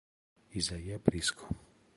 Isaiah Briscoe